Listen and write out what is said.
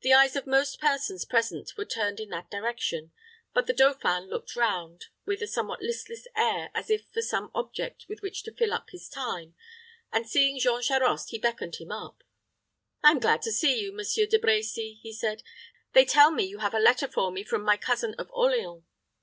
The eyes of most persons present were turned in that direction; but the dauphin looked round, with a somewhat listless air, as if for some object with which to fill up the time, and, seeing Jean Charost, he beckoned him up. "I am glad to see you, Monsieur De Brecy," he said. "They tell me you have a letter for me from my cousin of Orleans.